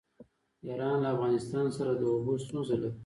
ایران له افغانستان سره د اوبو ستونزه لري.